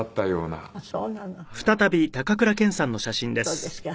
そうですか。